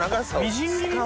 みじん切り？